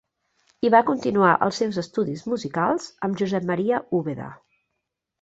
I va continuar els seus estudis musicals amb Josep Maria Úbeda.